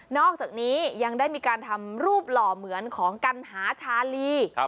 อกจากนี้ยังได้มีการทำรูปหล่อเหมือนของกัณหาชาลี